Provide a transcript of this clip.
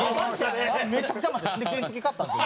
めちゃくちゃ余って原付き買ったんですよ。